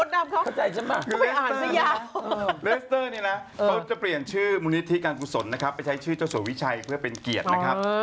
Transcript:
แล้วก็เป็นเกียรติส่วนนะครับไปใช้ชื่อเจ้าสววิชัยเพื่อเป็นเกียรตินะครับ